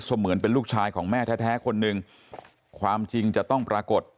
เหมือนเป็นลูกชายของแม่แท้คนหนึ่งความจริงจะต้องปรากฏ